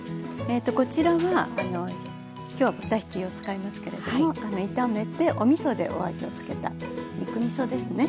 こちらは今日は豚ひきを使いますけれども炒めておみそでお味をつけた肉みそですね。